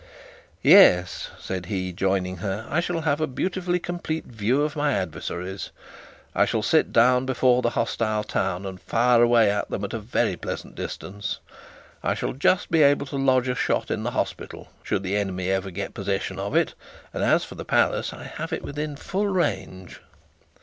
'Yes,' said he, joining her. 'I shall have a beautifully complete view of my adversaries. I shall sit down before the hostile town, and fire away at them at a very pleasant distance. I shall just be able to lodge a shot in the hospital, should the enemy ever get possession of it; and as for the palace, I have it within full range.'